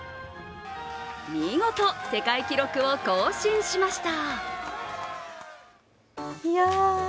見事、世界記録を更新しました。